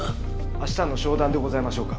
明日の商談でございましょうか？